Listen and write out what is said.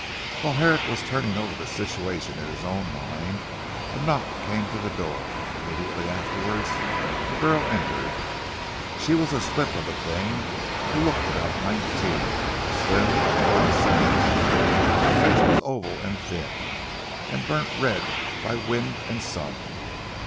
While Herrick was turning over the situation in his own mind, a knock came to the door, immediately afterwards a girl entered. She was a slip of a thing, who looked about nineteen, slim and well set up. Her face was oval and thin, and burnt red by wind and sun.